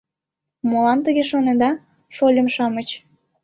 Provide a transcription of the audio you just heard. — Молан тыге шонеда, шольым-шамыч?